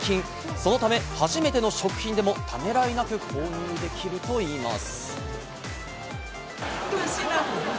そのため初めての食品でもためらいなく購入できるといいます。